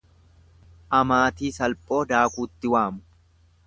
Amaatii salphoo daakuutti waamu.